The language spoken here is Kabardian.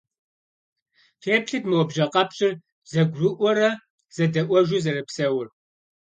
Феплъыт, мо бжьэ къэпщӀыр зэгурыӀуэрэ зэдэӀуэжу зэрыпсэур.